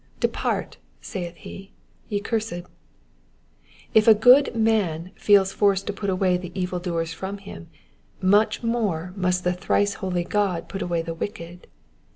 Depart,'* saith he, *'ye cursed.'' If even a good man feels forced to put away the evil doers from him, much more must the thrice holy God put away the wicked.